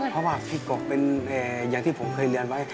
เพราะว่าพี่กบเป็นอย่างที่ผมเคยเรียนไว้